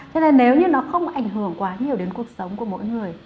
cho nên nếu như nó không ảnh hưởng quá nhiều đến cuộc sống của mỗi người